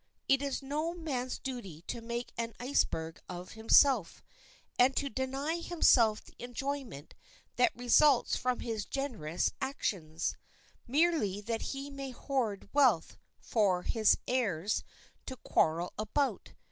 It is no man's duty to make an iceberg of himself, and to deny himself the enjoyment that results from his generous actions, merely that he may hoard wealth for his heirs to quarrel about.